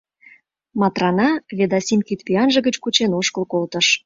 Матрана Ведасим кидпӱанже гыч кучен ошкыл колтыш.